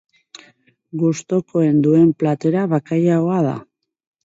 Gustukoen duen platera bakailaoa da.